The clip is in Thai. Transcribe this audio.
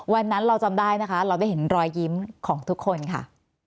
วันนั้นเราจำได้นะคะเราได้เห็นรอยยิ้มของทุกคนค่ะ